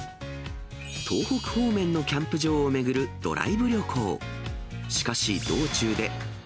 東北方面のキャンプ場を巡るドライブ旅行。